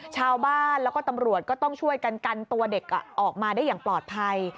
ชาวบ้านแล้วก็ตำรวจก็ต้องช่วยกันกันตัวเด็กออกมาได้อย่างปลอดภัย